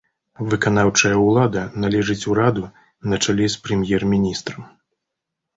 Выканаўчая ўлада належыць ураду на чале з прэм'ер-міністрам.